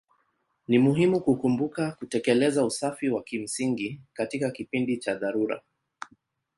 Ni muhimu kukumbuka kutekeleza usafi wa kimsingi katika kipindi cha dharura.